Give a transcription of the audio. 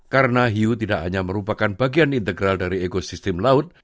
karena hiu tidak hanya merupakan bagian integral dari ekosistem laut